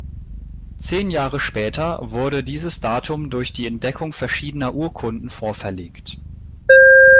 Zehn Jahre später wurde dieses Datum durch die Entdeckung verschiedener Urkunden vorverlegt.